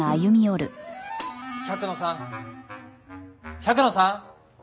百野さん！